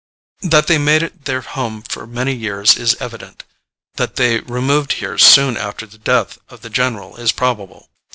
That they made it their home for many years is evident that they removed here soon after the death of the general is probable.